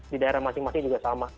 di daerah masing masing juga sama